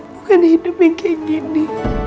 bukan hidup yang kayak gini